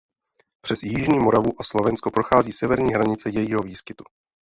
Přes jižní Moravu a Slovensko prochází severní hranice jejího výskytu.